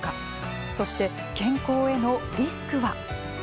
そして健康へのリスクは。